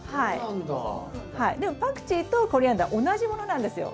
でもパクチーとコリアンダー同じものなんですよ。